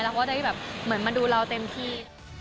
เราก็ได้แบบเหมือนมาดูเราเต็มที่